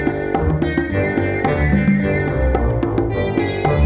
menikmati hidangan yang sudah disiapkan